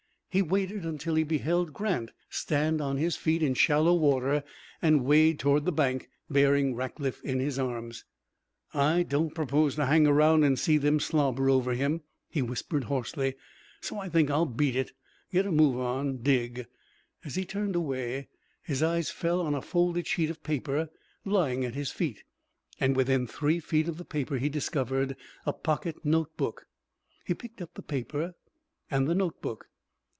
He waited until he beheld Grant stand on his feet in shallow water and wade toward the bank, bearing Rackliff in his arms. "I don't propose to hang around and see them slobber over him," he whispered hoarsely; "so I think I'll beat it, get a move on, dig." As he turned away his eyes fell on a folded sheet of paper lying at his feet, and within three feet of the paper he discovered a pocket notebook. He picked up the paper and the notebook.